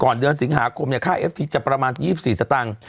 ก่อนเดือนสิงหาคมเนี้ยค่าเอฟทีจะประมาณยี่สิบสี่สตางค์